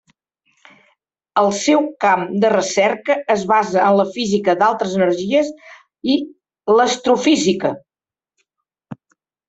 El seu camp de recerca es basa en la física d'altes energies i l'astrofísica.